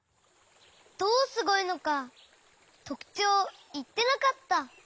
どうすごいのかとくちょうをいってなかった。